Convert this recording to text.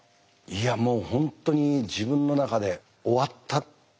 いやもう本当に自分の中で終わったっていう。